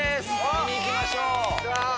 見に行きましょう。